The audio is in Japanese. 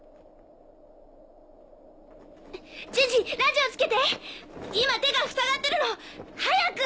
ジジラジオつけて今手がふさがってるの。早く！